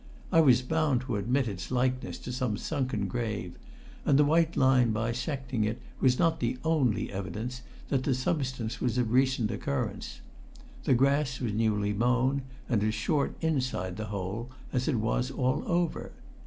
I was bound to admit its likeness to some sunken grave, and the white line bisecting it was not the only evidence that the subsidence was of recent occurrence; the grass was newly mown and as short inside the hole as it was all over.